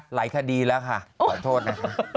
หลายคดีแล้วค่ะขอโทษนะคะ